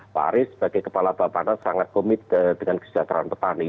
pak aris sebagai kepala bapak nas sangat komit dengan kesejahteraan petani